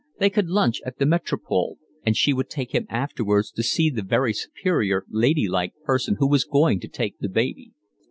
They could lunch at the Metropole, and she would take him afterwards to see the very superior lady like person who was going to take the baby.